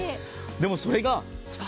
でもそれが。